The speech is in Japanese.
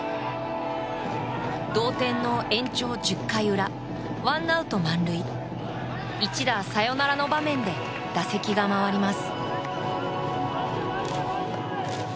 同点の延長１０回裏ワンアウト満塁一打サヨナラの場面で打席が回ります。